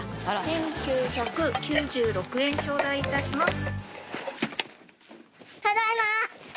１９９６円頂戴いたします。